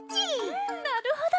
うんなるほど！